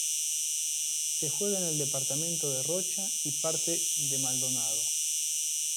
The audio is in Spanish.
Se juega en el Departamento de Rocha y parte de Maldonado.